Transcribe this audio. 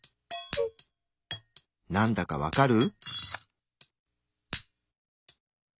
なんだか分かる？